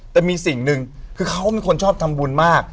แต่มีสิ่งนึงคือเค้ามันควรทำบุญมาก